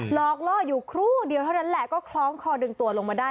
หลอกล่ออยู่ครู่เดียวเท่านั้นแหละก็คล้องคอดึงตัวลงมาได้